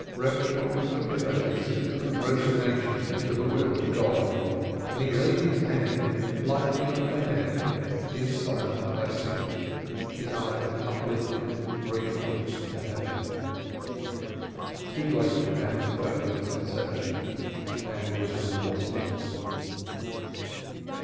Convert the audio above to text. Reb Shemuel took it as a symptom of resignation to the will of God, and he laid his hand lightly on her head in silent blessing, his eyes uplifted gratefully to Heaven. Too late Hannah felt the misconception and was remorseful.